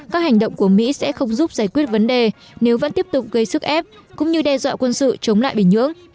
các hành động của mỹ sẽ không giúp giải quyết vấn đề nếu vẫn tiếp tục gây sức ép cũng như đe dọa quân sự chống lại bình nhưỡng